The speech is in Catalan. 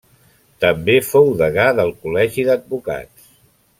També fou degà del Col·legi d'Advocats.